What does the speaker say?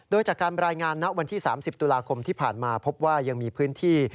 โดยจากการรายงานณวันที่๓๐ตุลาคมที่ผ่านมาพบว่ายังมีพื้นที่